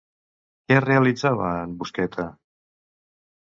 Què realitzava en Busqueta?